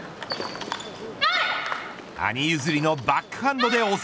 兄譲りのバックハンドで応戦。